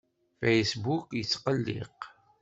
Facebook yettqelliq.